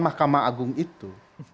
mahkamah agung itu